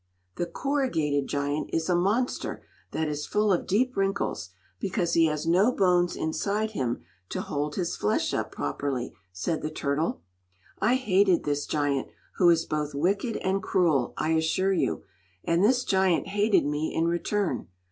"The Corrugated Giant is a monster that is full of deep wrinkles, because he has no bones inside him to hold his flesh up properly," said the turtle. "I hated this giant, who is both wicked and cruel, I assure you; and this giant hated me in return.